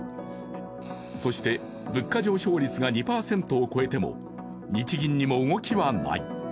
そして物価上昇率が２％を超えても日銀にも動きはない。